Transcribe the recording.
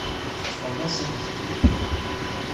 Teṭṭfemt-asent-t-id.